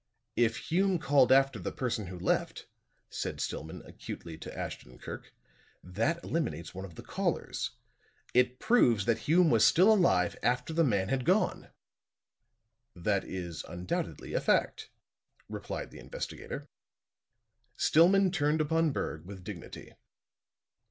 "If Hume called after the person who left," said Stillman, acutely, to Ashton Kirk, "that eliminates one of the callers. It proves that Hume was still alive after the man had gone." "That is undoubtedly a fact," replied the investigator. Stillman turned upon Berg with dignity.